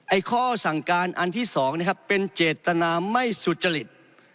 ข้อสั่งการอันที่๒นะครับเป็นเจตนาไม่สุจริต